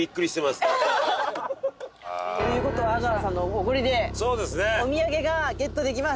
という事は阿川さんのおごりでお土産がゲットできます。